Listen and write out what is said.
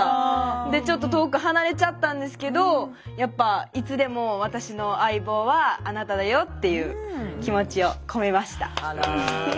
でちょっと遠く離れちゃったんですけどやっぱいつでも私の相棒はあなただよっていう気持ちを込めました。